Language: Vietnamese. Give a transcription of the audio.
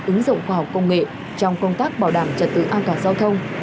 ứng dụng khoa học công nghệ trong công tác bảo đảm trật tự an toàn giao thông